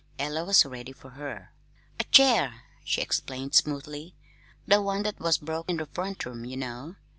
Ella was ready for her. "A chair," she explained smoothly; "the one that was broke in the front room, ye know."